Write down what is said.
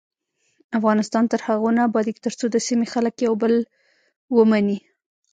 افغانستان تر هغو نه ابادیږي، ترڅو د سیمې خلک یو بل ومني.